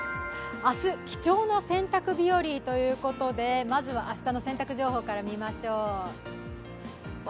明日、貴重な洗濯日和ということで、まずは明日の洗濯情報から見ましょう。